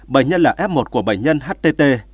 bệnh nhân là f một của bệnh nhân htt